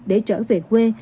để trở về quê